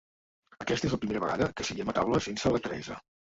Aquesta és la primera vegada que seiem a taula sense la Teresa.